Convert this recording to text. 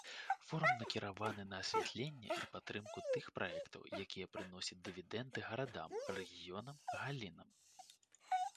Форум накіраваны на асвятленне і падтрымку тых праектаў, якія прыносяць дывідэнды гарадам, рэгіёнам, галінам.